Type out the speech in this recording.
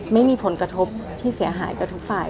ไม่มีผลกระทบที่เสียหายกับทุกฝ่าย